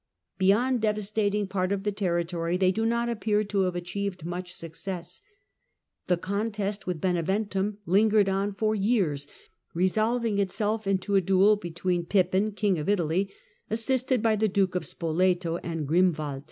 Beyond devastating part of the territory they do not appear to have achieved much success. The contest with Bene ventum lingered on for years, resolving itself into a duel between Pippin, king of Italy, assisted by the Duke of Spoleto, and Grimwald.